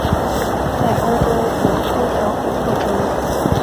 在欧洲有多条琥珀之路。